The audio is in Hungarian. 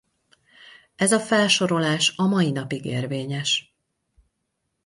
Ez a felsorolás a mai napig érvényes.